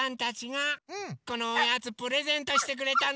このおやつプレゼントしてくれたの。